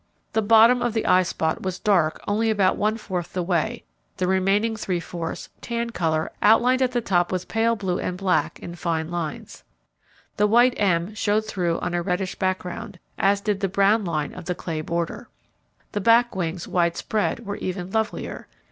The bottom of the eye spot was dark only about one fourth the way, the remaining three fourths, tan colour outlined at the top with pale blue and black in fine lines. The white M showed through on a reddish background, as did the brown line of the clay border. The back wings widespread were even lovelier.